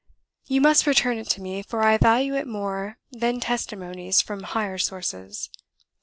You must return it to me, for I value it more than testimonies from higher sources.